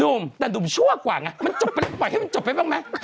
หนุ่มแต่หนุ่มชั่วกว่าไงมันจบไปปล่อยให้มันจบไปบ้างไหม